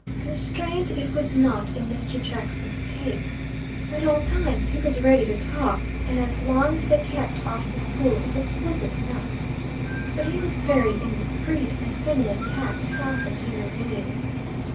Constrained it was not in Mr. Jackson's case. At all times he was ready to talk, and as long as they kept off the school it was pleasant enough. But he was very indiscreet, and feminine tact had often to intervene.